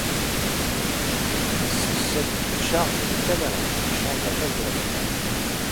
C'est cette charge de cavalerie qui change la face de la bataille.